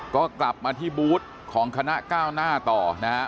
ก็กลับมาที่บูธของคณะก้าวหน้าต่อนะฮะ